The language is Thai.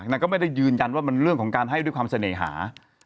นางก็ไม่ได้ยืนยันว่ามันเรื่องของการให้ด้วยความเสน่หา